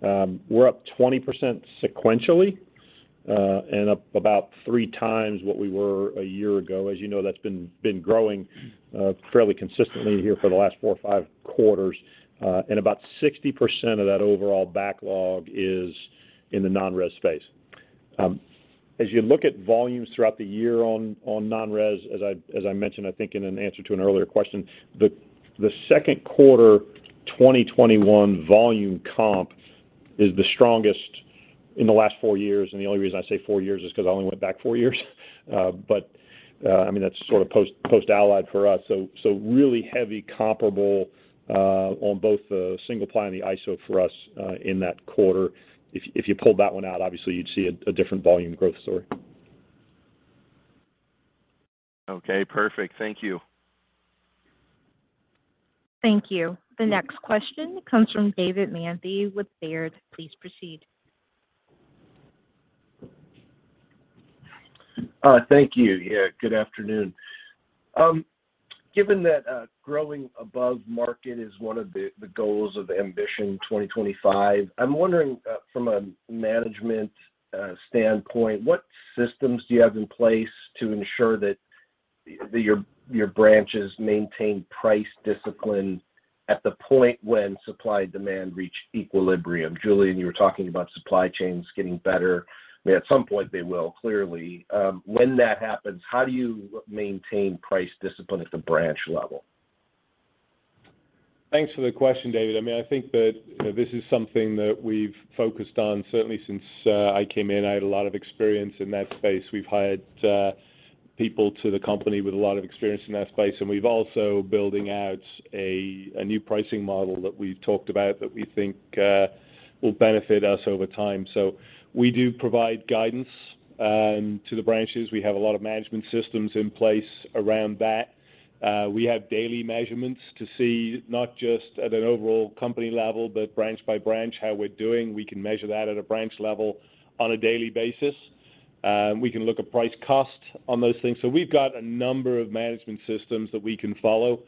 We're up 20% sequentially, and up about 3x what we were a year ago. As you know, that's been growing fairly consistently here for the last four or five quarters. And about 60% of that overall backlog is in the non-res space. As you look at volumes throughout the year on non-res, as I mentioned, I think in an answer to an earlier question, the second quarter 2021 volume comp is the strongest in the last four years, and the only reason I say four years is 'cause I only went back four years. I mean that's sort of post-Allied for us. Really heavy comparable on both the single-ply and the ISO for us in that quarter. If you pulled that one out, obviously you'd see a different volume growth story. Okay. Perfect. Thank you. Thank you. The next question comes from David Manthey with Baird. Please proceed. Thank you. Yeah, good afternoon. Given that growing above market is one of the goals of Ambition 2025, I'm wondering from a management standpoint, what systems do you have in place to ensure that your branches maintain price discipline at the point when supply and demand reach equilibrium? Julian, you were talking about supply chains getting better. I mean, at some point they will, clearly. When that happens, how do you maintain price discipline at the branch level? Thanks for the question, David. I mean, I think that, you know, this is something that we've focused on certainly since I came in. I had a lot of experience in that space. We've hired people to the company with a lot of experience in that space, and we've also building out a new pricing model that we've talked about that we think will benefit us over time. We do provide guidance to the branches. We have a lot of management systems in place around that. We have daily measurements to see not just at an overall company level, but branch by branch, how we're doing. We can measure that at a branch level on a daily basis. We can look at price cost on those things. We've got a number of management systems that we can follow.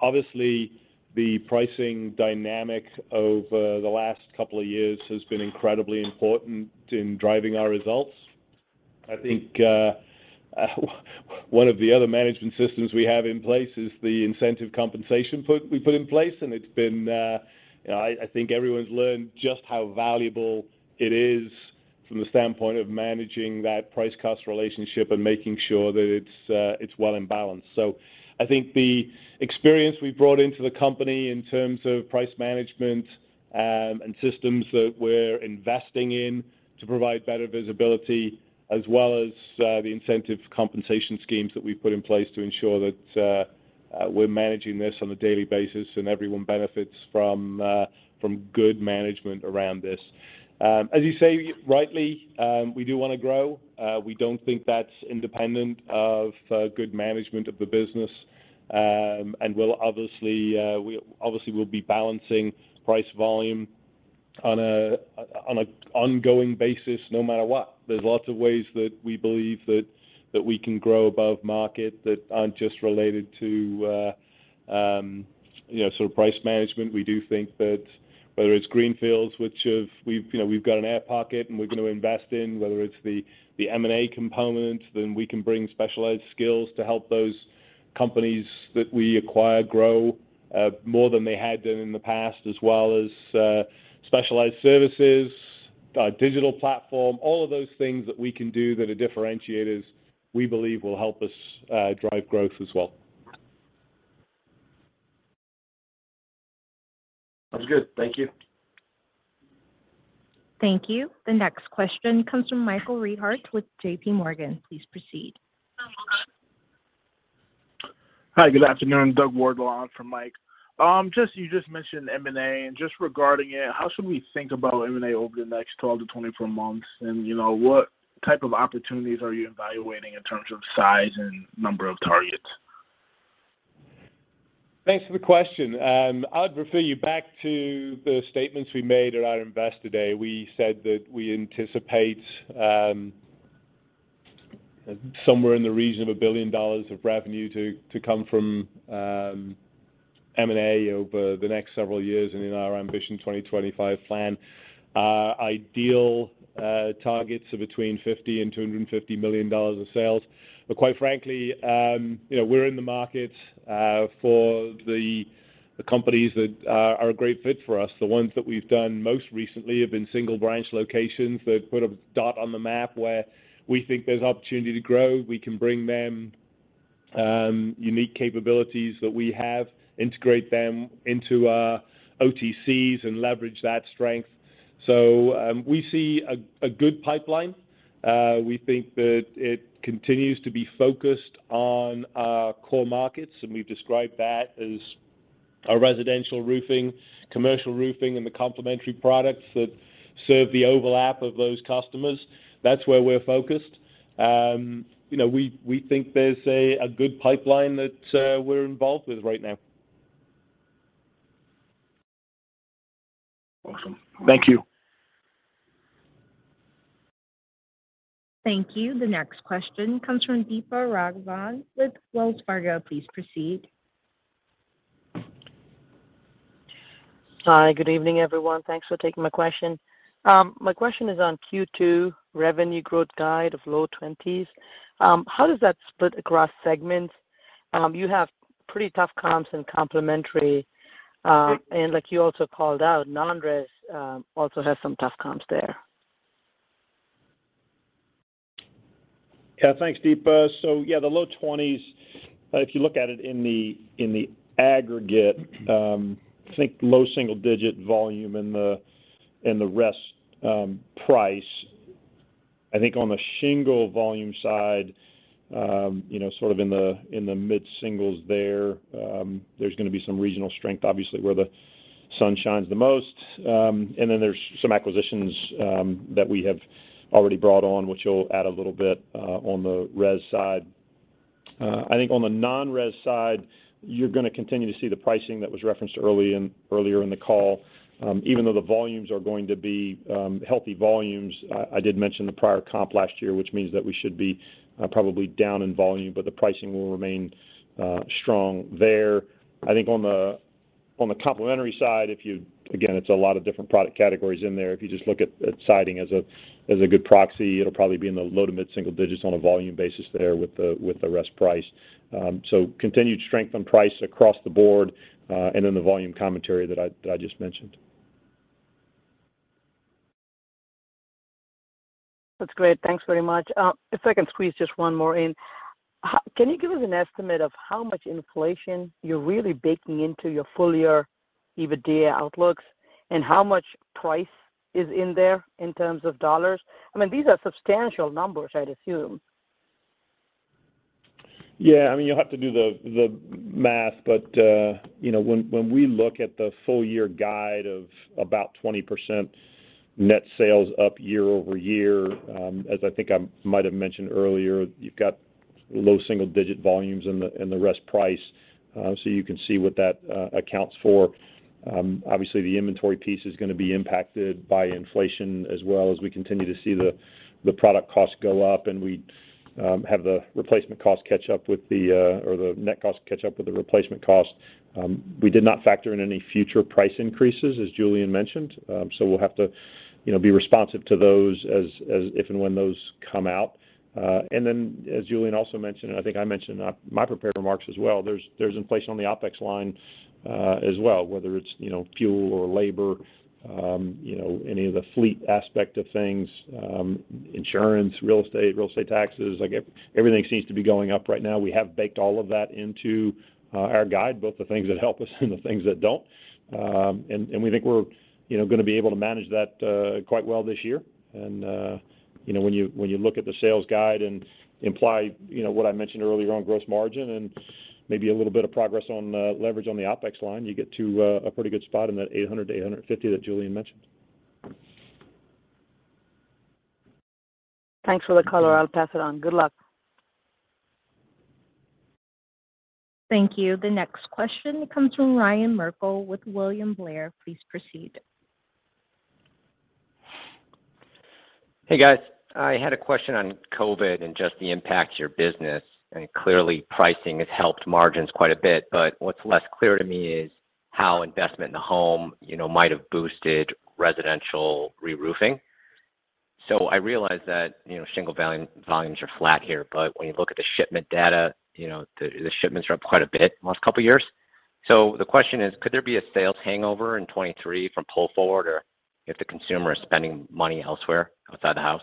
Obviously, the pricing dynamic over the last couple of years has been incredibly important in driving our results. I think one of the other management systems we have in place is the incentive compensation put in place, and it's been. I think everyone's learned just how valuable it is from the standpoint of managing that price cost relationship and making sure that it's well and balanced. I think the experience we've brought into the company in terms of price management and systems that we're investing in to provide better visibility, as well as the incentive compensation schemes that we've put in place to ensure that we're managing this on a daily basis and everyone benefits from good management around this. As you say, rightly, we do wanna grow. We don't think that's independent of good management of the business. We'll obviously be balancing price volume on an ongoing basis no matter what. There are lots of ways that we believe that we can grow above market that aren't just related to you know sort of price management. We do think that whether it's greenfields which have we've got an air pocket and we're gonna invest in whether it's the M&A component then we can bring specialized skills to help those companies that we acquire grow more than they had done in the past as well as specialized services digital platform all of those things that we can do that are differentiators we believe will help us drive growth as well. That's good. Thank you. Thank you. The next question comes from Michael Rehaut with JPMorgan. Please proceed. Hi, good afternoon. Doug Wardlaw on for Mike. You just mentioned M&A, and just regarding it, how should we think about M&A over the next 12-24 months? You know, what type of opportunities are you evaluating in terms of size and number of targets? Thanks for the question. I'd refer you back to the statements we made at our Investor Day. We said that we anticipate somewhere in the region of $1 billion of revenue to come from M&A over the next several years and in our Ambition 2025 plan. Our ideal targets are between $50 million and $250 million of sales. Quite frankly, you know, we're in the market for the companies that are a great fit for us. The ones that we've done most recently have been single branch locations that put a dot on the map where we think there's opportunity to grow. We can bring them unique capabilities that we have, integrate them into our OTCs and leverage that strength. We see a good pipeline. We think that it continues to be focused on our core markets, and we've described that as our residential roofing, commercial roofing, and the complementary products that serve the overlap of those customers. That's where we're focused. You know, we think there's a good pipeline that we're involved with right now. Awesome. Thank you. Thank you. The next question comes from Deepa Raghavan with Wells Fargo. Please proceed. Hi, good evening, everyone. Thanks for taking my question. My question is on Q2 revenue growth guide of low 20s%. How does that split across segments? You have pretty tough comps and complementary. Right Like you also called out, non-res also has some tough comps there. Yeah, thanks, Deepa. Yeah, the low 20s%, if you look at it in the aggregate, think low single-digit volume in the res price. I think on the shingle volume side, you know, sort of in the mid-singles there's gonna be some regional strength, obviously, where the sun shines the most. And then there's some acquisitions that we have already brought on, which will add a little bit on the res side. I think on the non-res side, you're gonna continue to see the pricing that was referenced earlier in the call. Even though the volumes are going to be healthy volumes, I did mention the prior comp last year, which means that we should be probably down in volume, but the pricing will remain strong there. I think on the complementary side, if you again, it's a lot of different product categories in there. If you just look at siding as a good proxy, it'll probably be in the low to mid-single digits on a volume basis there with the rest price. Continued strength on price across the board, and then the volume commentary that I just mentioned. That's great. Thanks very much. If I can squeeze just one more in. Can you give us an estimate of how much inflation you're really baking into your full-year EBITDA outlooks and how much price is in there in terms of dollars? I mean, these are substantial numbers, I'd assume. Yeah. I mean, you'll have to do the math, but you know, when we look at the full year guide of about 20% net sales up year-over-year, as I think I might have mentioned earlier, you've got low single-digit volumes in the rest price, so you can see what that accounts for. Obviously the inventory piece is gonna be impacted by inflation as well, as we continue to see the product costs go up and we have the net cost catch up with the replacement cost. We did not factor in any future price increases as Julian mentioned. We'll have to, you know, be responsive to those as if and when those come out. as Julian also mentioned, and I think I mentioned in my prepared remarks as well, there's inflation on the OpEx line, as well, whether it's, you know, fuel or labor, you know, any of the fleet aspect of things, insurance, real estate, real estate taxes. Like everything seems to be going up right now. We have baked all of that into our guide, both the things that help us and the things that don't. We think we're, you know, gonna be able to manage that quite well this year. You know, when you look at the sales guide and imply, you know, what I mentioned earlier on gross margin and maybe a little bit of progress on the leverage on the OpEx line, you get to a pretty good spot in that $800 million-$850 million that Julian mentioned. Thanks for the color. I'll pass it on. Good luck. Thank you. The next question comes from Ryan Merkel with William Blair. Please proceed. Hey, guys. I had a question on COVID and just the impact to your business. Clearly pricing has helped margins quite a bit, but what's less clear to me is how investment in the home, you know, might have boosted residential reroofing. I realize that, you know, shingle volumes are flat here, but when you look at the shipment data, you know, the shipments are up quite a bit the last couple years. The question is, could there be a sales hangover in 2023 from pull forward or if the consumer is spending money elsewhere outside the house?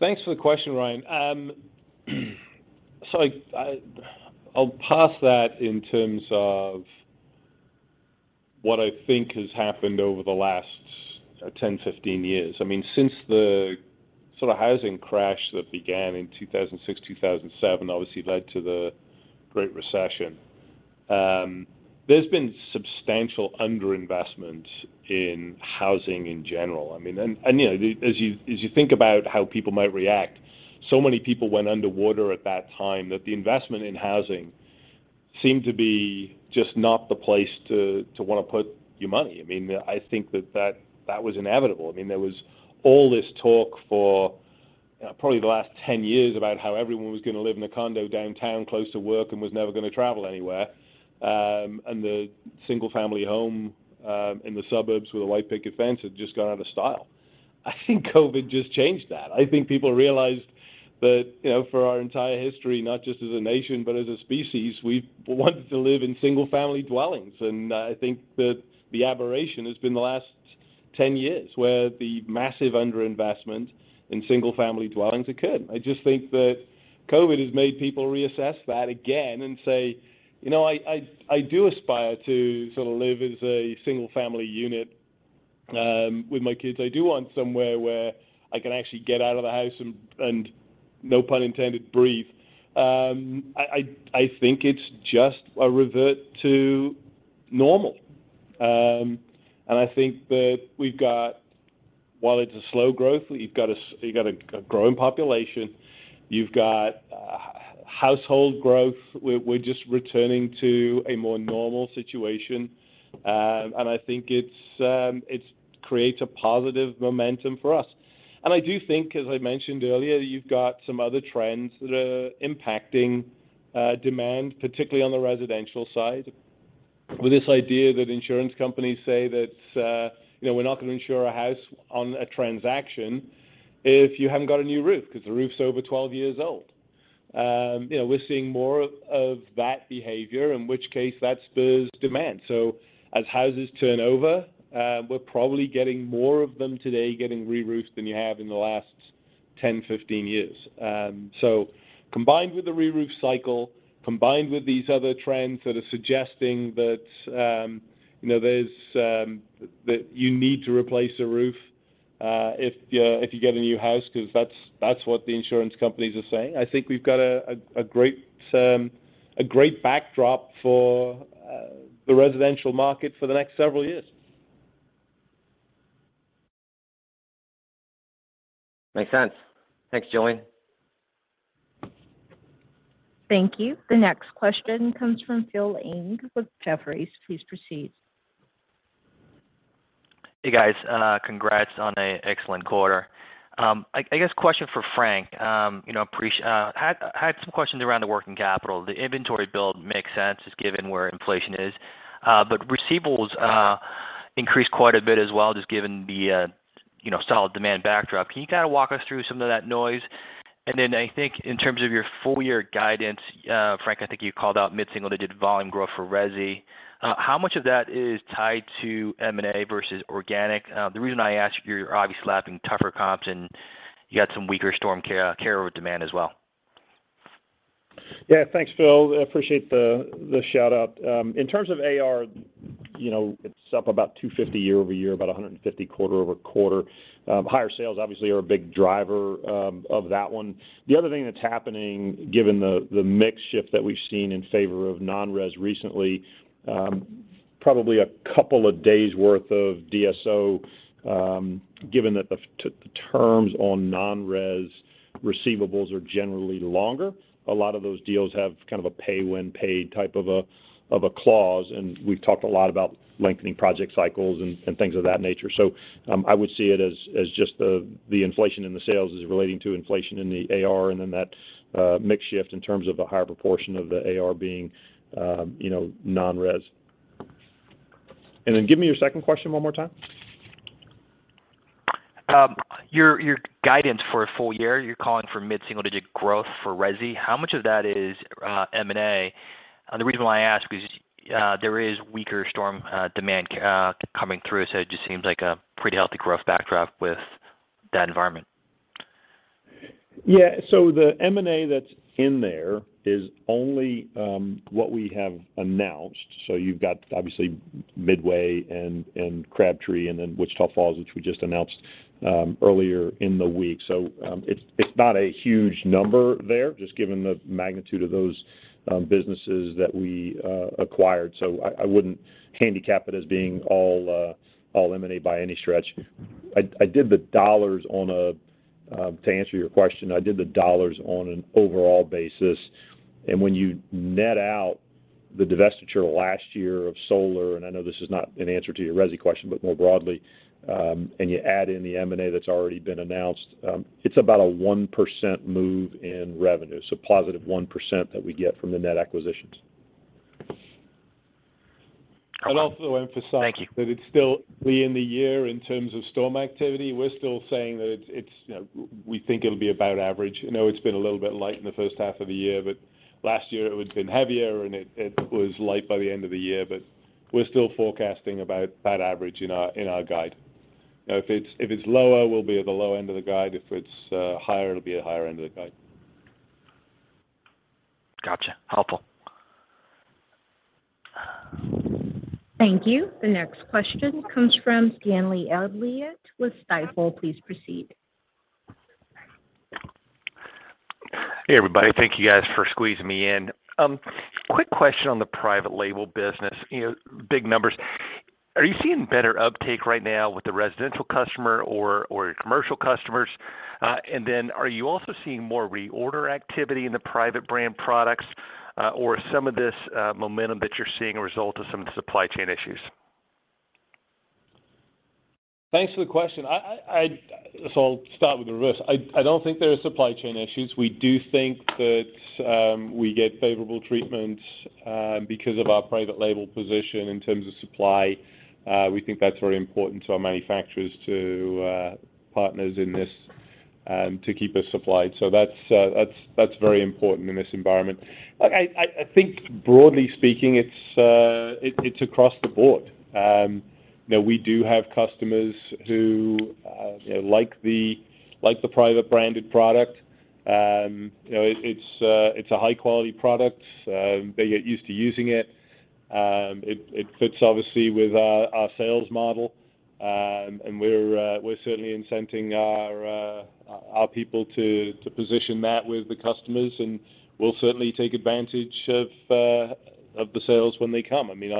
Thanks for the question, Ryan. So I'll pass that in terms of what I think has happened over the last 10, 15 years. I mean, since the sort of housing crash that began in 2006, 2007, obviously led to the Great Recession, there's been substantial under-investment in housing in general. I mean, you know, as you think about how people might react, so many people went underwater at that time that the investment in housing seemed to be just not the place to wanna put your money. I mean, I think that was inevitable. I mean, there was all this talk for probably the last 10 years about how everyone was gonna live in a condo downtown close to work and was never gonna travel anywhere, and the single-family home in the suburbs with a white picket fence had just gone out of style. I think COVID just changed that. I think people realized that, you know, for our entire history, not just as a nation, but as a species, we've wanted to live in single-family dwellings, and I think that the aberration has been the last 10 years, where the massive under-investment in single-family dwellings occurred. I just think that COVID has made people reassess that again and say, "You know, I do aspire to sort of live as a single-family unit with my kids. I do want somewhere where I can actually get out of the house and, no pun intended, breathe. I think it's just a revert to normal. I think that we've got, while it's a slow growth, you've got a growing population, you've got household growth. We're just returning to a more normal situation, and I think it's creates a positive momentum for us. I do think, as I mentioned earlier, you've got some other trends that are impacting demand, particularly on the residential side, with this idea that insurance companies say that, you know, we're not gonna insure a house on a transaction if you haven't got a new roof, 'cause the roof's over 12 years old. You know, we're seeing more of that behavior, in which case, that spurs demand. As houses turn over, we're probably getting more of them today getting re-roofed than you have in the last 10, 15 years. Combined with the re-roof cycle, combined with these other trends that are suggesting that you know, there's that you need to replace a roof, if you get a new house, 'cause that's what the insurance companies are saying. I think we've got a great backdrop for the residential market for the next several years. Makes sense. Thanks, Julian. Thank you. The next question comes from Phil Ng with Jefferies. Please proceed. Hey, guys, congrats on a excellent quarter. I guess question for Frank. You know, had some questions around the working capital. The inventory build makes sense, just given where inflation is, but receivables increased quite a bit as well, just given the, you know, solid demand backdrop. Can you kinda walk us through some of that noise? Then I think in terms of your full year guidance, Frank, I think you called out mid-single digit volume growth for resi. How much of that is tied to M&A versus organic? The reason I ask, you're obviously lapping tougher comps, and you had some weaker storm carryover demand as well. Yeah. Thanks, Phil. Appreciate the shout-out. In terms of AR, you know, it's up about $250 year-over-year, about $150 quarter-over-quarter. Higher sales obviously are a big driver of that one. The other thing that's happening, given the mix shift that we've seen in favor of non-res recently, probably a couple of days' worth of DSO, given that the terms on non-res receivables are generally longer. A lot of those deals have kind of a pay-when-paid type of a clause, and we've talked a lot about lengthening project cycles and things of that nature. I would see it as just the inflation in the sales as relating to inflation in the AR and then that mix shift in terms of the higher proportion of the AR being you know non-res. Give me your second question one more time. Your guidance for a full year, you're calling for mid-single digit growth for resi. How much of that is M&A? The reason why I ask is, there is weaker storm demand coming through, so it just seems like a pretty healthy growth backdrop with that environment. Yeah. The M&A that's in there is only what we have announced, so you've got obviously Midway and Crabtree and then Wichita Falls, which we just announced earlier in the week. It's not a huge number there, just given the magnitude of those businesses that we acquired. I wouldn't handicap it as being all M&A by any stretch. To answer your question, I did the dollars on an overall basis, and when you net out the divestiture last year of solar, and I know this is not an answer to your resi question, but more broadly, and you add in the M&A that's already been announced, it's about a 1% move in revenue, so +1% that we get from the net acquisitions. Okay. Thank you. I'd also emphasize that it's still early in the year in terms of storm activity. We're still saying that it's, you know, we think it'll be about average. I know it's been a little bit light in the first half of the year, but last year it would have been heavier, and it was light by the end of the year. We're still forecasting about that average in our guide. Now, if it's lower, we'll be at the low end of the guide. If it's higher, it'll be at the higher end of the guide. Gotcha. Helpful. Thank you. The next question comes from Stanley Elliott with Stifel. Please proceed. Hey, everybody. Thank you guys for squeezing me in. Quick question on the private label business, you know, big numbers. Are you seeing better uptake right now with the residential customer or your commercial customers? Are you also seeing more reorder activity in the private brand products, or is some of this momentum that you're seeing a result of some of the supply chain issues? Thanks for the question. I'll start with the risk. I don't think there are supply chain issues. We do think that we get favorable treatment because of our private label position in terms of supply. We think that's very important to our manufacturers to partners in this to keep us supplied. That's very important in this environment. Look, I think broadly speaking, it's across the board. You know, we do have customers who, you know, like the private branded product. You know, it's a high quality product. They get used to using it. It fits obviously with our sales model. We're certainly incenting our people to position that with the customers, and we'll certainly take advantage of the sales when they come. I mean,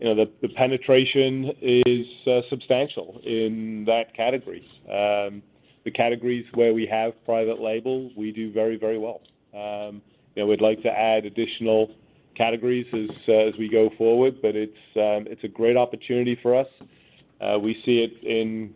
you know, the penetration is substantial in those categories. The categories where we have private labels, we do very, very well. You know, we'd like to add additional categories as we go forward, but it's a great opportunity for us. We see it in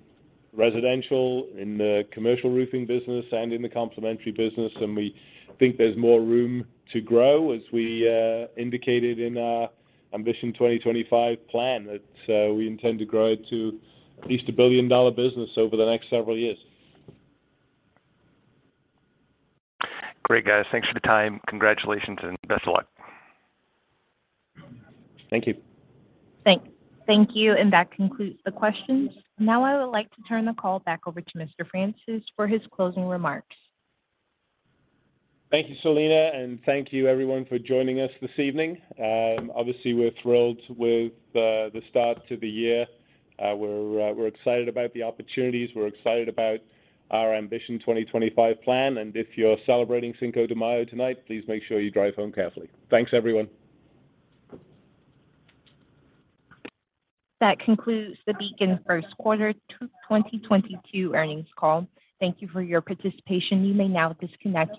residential, in the commercial roofing business and in the complementary business, and we think there's more room to grow, as we indicated in our Ambition 2025 plan, that we intend to grow to at least a billion-dollar business over the next several years. Great, guys. Thanks for the time. Congratulations and best of luck. Thank you. Thank you. That concludes the questions. Now I would like to turn the call back over to Mr. Francis for his closing remarks. Thank you, Selina, and thank you everyone for joining us this evening. Obviously, we're thrilled with the start to the year. We're excited about the opportunities. We're excited about our Ambition 2025 plan, and if you're celebrating Cinco de Mayo tonight, please make sure you drive home carefully. Thanks, everyone. That concludes the Beacon first quarter 2022 earnings call. Thank you for your participation. You may now disconnect your line.